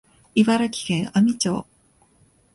茨城県阿見町